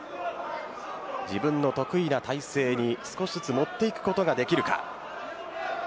自分の得意な体勢に少しずつもっていくことができるか。